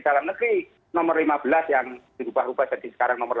dalam negeri nomor lima belas yang diubah ubah jadi sekarang nomor delapan